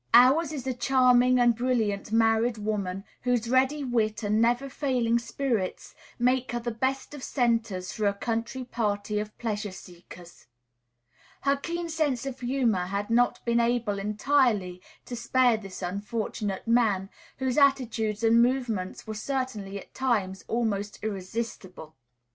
Ours is a charming and brilliant married woman, whose ready wit and never failing spirits make her the best of centres for a country party of pleasure seekers. Her keen sense of humor had not been able entirely to spare this unfortunate man, whose attitudes and movements were certainly at times almost irresistible.